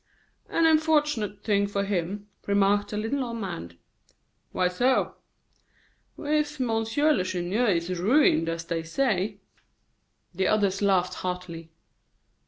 "An unfortunate thing for him," remarked a little old man. "Why so?" "If Monsieur Lacheneur is ruined, as they say " The others laughed heartily.